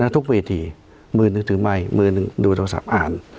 ทุกเวทีมือหนึ่งถือไมค์มือหนึ่งดูโทรศัพท์อ่าน